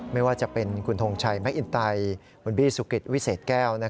ไม่ว่าจะเป็นคุณทงชัยแมคอินไตคุณบี้สุกิตวิเศษแก้ว